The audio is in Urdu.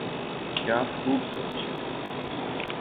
کیا خوب سوچ ہے۔